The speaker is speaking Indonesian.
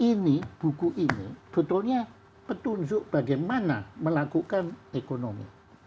ini buku ini betulnya petunjuk bagaimana melakukan ekonomi